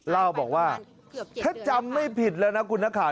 เล่าบอกว่าถ้าจำไม่ผิดแล้วนะคุณนักข่าว